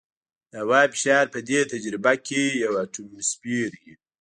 د هوا فشار په دې تجربه کې یو اټموسفیر وي.